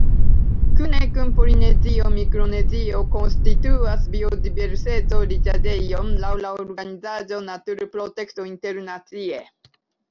Kune kun Polinezio, Mikronezio konstituas biodiverseco-riĉaĵejon laŭ la organizaĵo Naturprotekto Internacie.